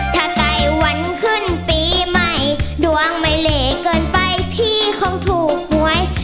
ถ้าได้วันขึ้นปีใหม่ดวงไม่เหลเกินไปพี่คงถูกหวย